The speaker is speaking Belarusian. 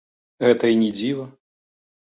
Гэта і не дзіва.